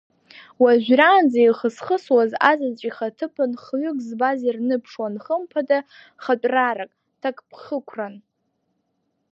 Уажәраанӡа ихысхысуаз азаҵә ихаҭыԥан хҩык збаз ирныԥшуан хымԥада хатәрарак, ҭакԥхықәрак…